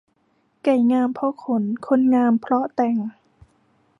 ไก่งามเพราะขน คนงามเพราะแต่ง